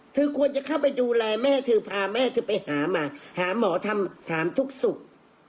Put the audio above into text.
คือควรจะเข้าไปดูแลแม่เธอพาแม่เธอไปหามาหาหมอทำถามทุกศุกร์